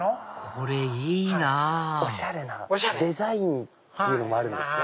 これいいなぁおしゃれなデザインっていうのもあるんですね。